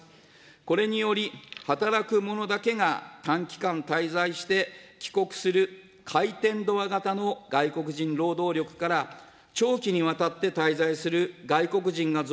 これにより、働く者だけが短期間滞在して帰国する、回転ドア型の外国人労働力から長期にわたって滞在する外国人が増